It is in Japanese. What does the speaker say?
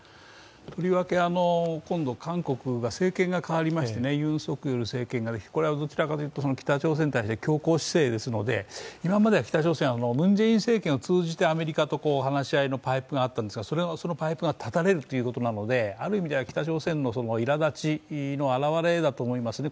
とりわけ、今度韓国が政権が変わりまして、ユン・ソギョル政権になり、こちらはどちらかというと強硬姿勢ですので今までは北朝鮮はムン・ジェイン政権を通じてアメリカと話し合いのパイプがあったんですが、そのパイプが断たれるということなので、ある意味では北朝鮮のいらだちの表れだと思いますね。